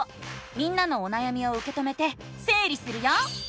みんなのおなやみをうけ止めてせい理するよ！